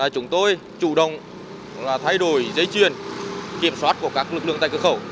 chúng tôi chủ động thay đổi giấy truyền kiểm soát của các lực lượng tại cửa khẩu